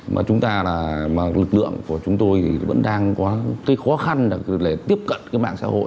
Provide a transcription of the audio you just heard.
mà chúng ta là lực lượng của chúng tôi thì vẫn đang có cái khó khăn là để tiếp cận cái mạng xã hội